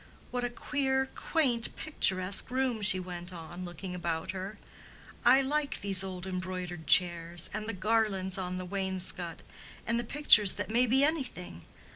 "What a queer, quaint, picturesque room!" she went on, looking about her. "I like these old embroidered chairs, and the garlands on the wainscot, and the pictures that may be anything.